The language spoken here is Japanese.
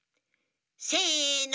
せの！